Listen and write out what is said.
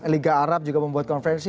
liga arab juga membuat konferensi